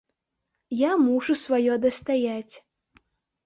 Я мушу сваё дастаяць.